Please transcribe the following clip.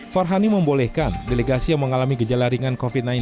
farhani membolehkan delegasi yang mengalami gejala ringan covid sembilan belas